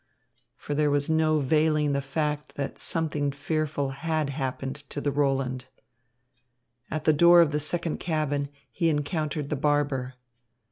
For there was no veiling the fact that something fearful had happened to the Roland. At the door of the second cabin, he encountered the barber.